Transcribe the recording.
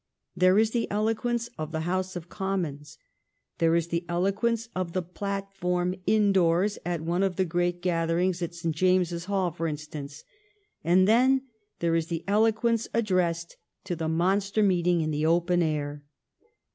There is the eloquence of the House of Commons. There is the eloquence of the platform indoors at one of the great gather ings in St. James's Hall, for instance; and then there is the eloquence addressed to the monster meeting in the open air.